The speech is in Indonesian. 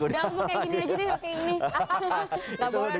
udah aku kayak gini aja nih kayak gini